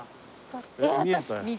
見えたよ。